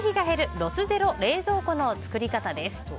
ロスゼロ冷蔵庫の作り方です。